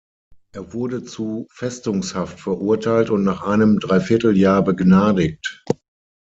Er wurde zu Festungshaft verurteilt und nach einem dreiviertel Jahr begnadigt.